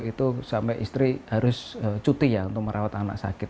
itu sampai istri harus cuti ya untuk merawat anak sakit